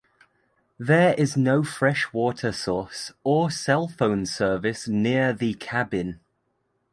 There is no freshwater source or cell phone service near the cabin.